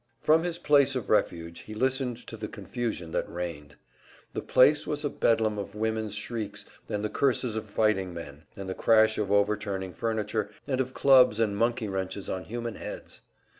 From his place of refuge he listened to the confusion that reigned. The place was a bedlam of women's shrieks, and the curses of fighting men, and the crash of overturning furniture, and of clubs and monkey wrenches on human heads.